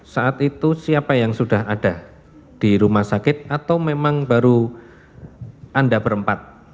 saat itu siapa yang sudah ada di rumah sakit atau memang baru anda berempat